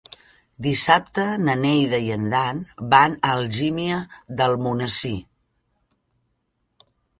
Dissabte na Neida i en Dan van a Algímia d'Almonesir.